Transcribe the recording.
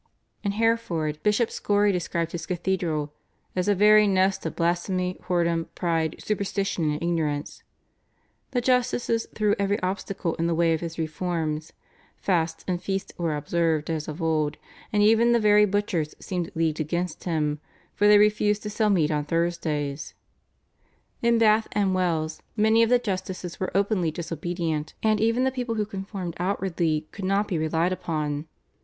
In Hereford Bishop Scory described his cathedral, "as a very nest of blasphemy, whoredom, pride, superstition, and ignorance;" the justices threw every obstacle in the way of his reforms; fasts and feasts were observed as of old; and even the very butchers seemed leagued against him, for they refused to sell meat on Thursdays. In Bath and Wells many of the justices were openly disobedient, and even the people who conformed outwardly could not be relied upon.